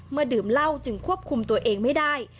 ดื่มเหล้าจึงควบคุมตัวเองไม่ได้